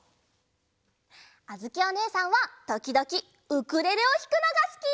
あづきおねえさんはときどきウクレレをひくのがすき！